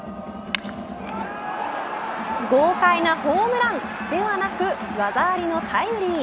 豪快なホームランではなく技ありのタイムリー。